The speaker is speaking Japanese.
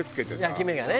焼き目がね。